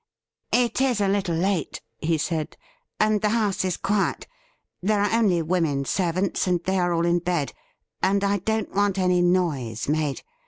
'It is a little late,' he said, 'and the house is quiet. There are only women servants, and they are all in bed, ■ and I don't want any noise made.